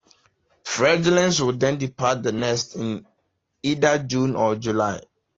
Fledglings will then depart the nest in either June or July.